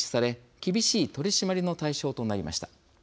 厳しい取締りの対象となりました。